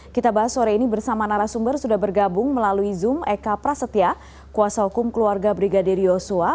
kita bahas sore ini bersama narasumber sudah bergabung melalui zoom eka prasetya kuasa hukum keluarga brigadir yosua